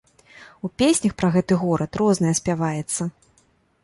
У песнях пра гэты горад рознае спяваецца.